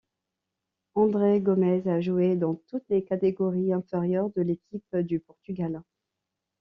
André Gomes a joué dans toutes les catégories inférieures de l'équipe du Portugal.